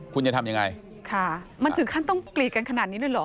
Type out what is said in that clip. คุณจะทำยังไงค่ะมันถึงขั้นต้องกรีดกันขนาดนี้เลยเหรอ